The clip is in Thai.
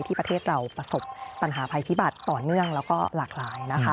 ประเทศเราประสบปัญหาภัยพิบัติต่อเนื่องแล้วก็หลากหลายนะคะ